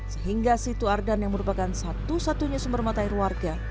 sehingga situ ardan yang merupakan satu satunya sumber mata air warga